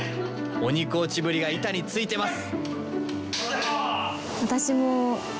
鬼コーチぶりが板についてます！